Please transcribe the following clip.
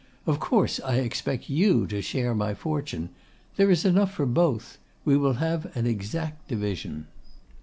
Of course I expect you to share my fortune. There is enough for both. We will have an exact division.